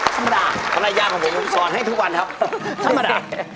ธรรมดาเพราะละยากจะนุมซอนให้ทุกวันครับธรรมดา